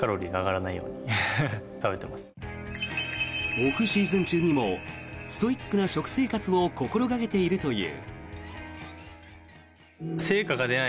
オフシーズン中にもストイックな食生活を心掛けているという。